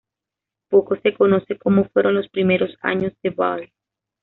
Poco se conoce cómo fueron los primeros años de Ball.